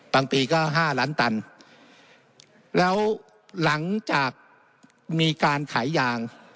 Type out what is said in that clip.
ปีก็ห้าล้านตันแล้วหลังจากมีการขายยาง